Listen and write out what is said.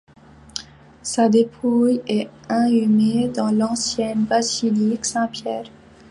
Sa dépouille est inhumée dans l'ancienne basilique Saint-Pierre.